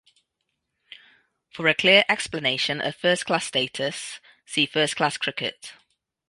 For a clear explanation of first-class status, see first-class cricket.